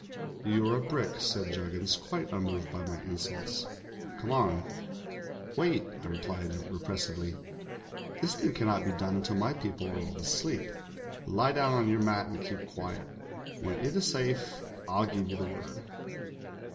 '"You're a brick,' said Juggins, quite unn:oved by my insults. 'Come on.' "'Wait,' I replied repressively. 'This thing can not be done until my people are all asleep. Lie down on your mat and keep quiet. When it is safe, I'll give you the word.'